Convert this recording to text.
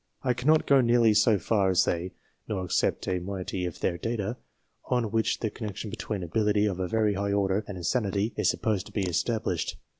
I cannot go nearly so far as they, nor accept a moiety of their data, on which the connection between ability of a very high order and insanity is supposed to be established.